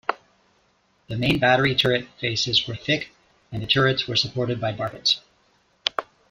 The main battery turret faces were thick, and the turrets were supported by barbettes.